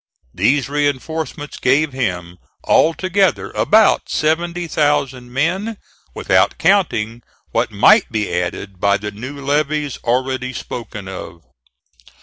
These reinforcements gave him altogether about seventy thousand men, without counting what might be added by the new levies already spoken of.